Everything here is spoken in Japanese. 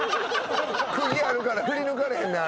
釘あるから振り抜かれへんねん。